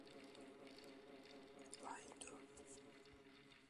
Cases may be further customized by adding a power adapter and a computer fan.